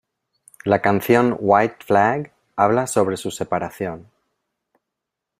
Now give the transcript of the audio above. La canción "White Flag" habla sobre su separación.